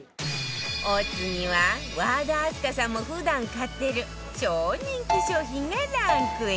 お次は和田明日香さんも普段買ってる超人気商品がランクイン